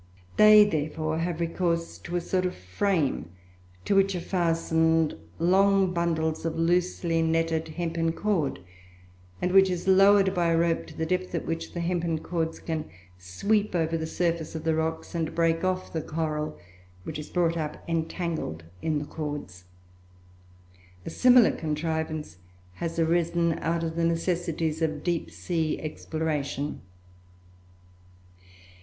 They, therefore, have recourse to a sort of frame, to which are fastened long bundles of loosely netted hempen cord, and which is lowered by a rope to the depth at which the hempen cords can sweep over the surface of the rocks and break off the coral, which is brought up entangled in the cords. A similar contrivance has arisen out of the necessities of deep sea exploration.